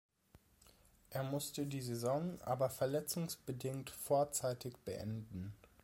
Er musste die Saison aber verletzungsbedingt vorzeitig beenden.